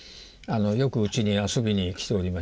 よくうちに遊びに来ておりまして。